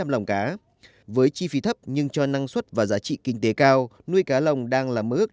lồng cá với chi phí thấp nhưng cho năng suất và giá trị kinh tế cao nuôi cá lồng đang là mơ ước